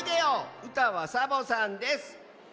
うたはサボさんです。